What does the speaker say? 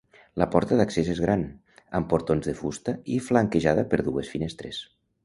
La porta d'accés és gran, amb portons de fusta i flanquejada per dues finestres.